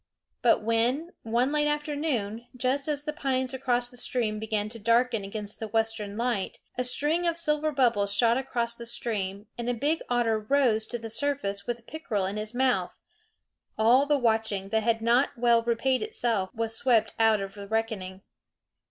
But when, one late afternoon, just as the pines across the stream began to darken against the western light, a string of silver bubbles shot across the stream and a big otter rose to the surface with a pickerel in his mouth, all the watching that had not well repaid itself was swept out of the reckoning.